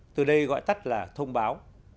từ đây gọi tắt là thông báo